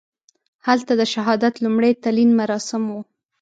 هلته د شهادت لومړي تلین مراسم وو.